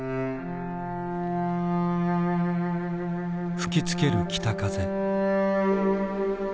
吹きつける北風。